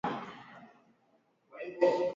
Vifo kwa ugonjwa wa homa ya mapafu